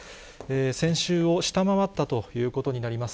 先週を下回ったということになります。